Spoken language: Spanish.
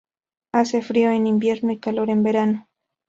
Hace frío en invierno y calor en verano.